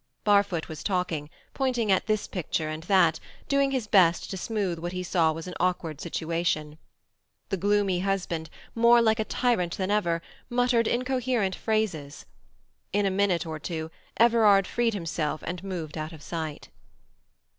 Barfoot was talking, pointing at this picture and that, doing his best to smooth what he saw was an awkward situation. The gloomy husband, more like a tyrant than ever, muttered incoherent phrases. In a minute or two Everard freed himself and moved out of sight.